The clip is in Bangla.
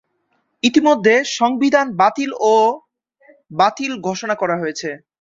ইতোমধ্যে সংবিধান বাতিল ও বাতিল ঘোষণা করা হয়েছে।